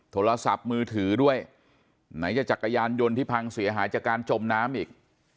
โทรศัพท์มือถือด้วยไหนจะจักรยานยนต์ที่พังเสียหายจากการจมน้ำอีก